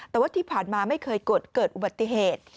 แต่ว่าที่ผ่านมาไม่เคยเกิดอุบัติเหตุ